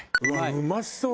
うまそう！